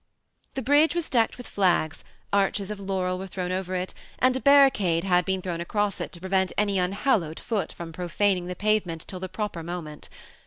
The bridge was decked with flags, arches of laurel were thrown over it, and a barricade had been thrown across it to prevent any unhallowed foot from pro faning the pavement till the proper moment.